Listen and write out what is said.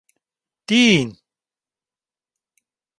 Dean!